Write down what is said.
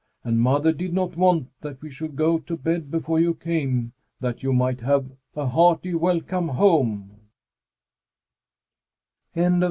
And mother did not want that we should go to bed before you came that you might have a hearty welcome home."